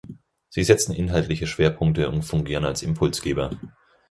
Sie setzen inhaltliche Schwerpunkte und fungieren als Impulsgeber.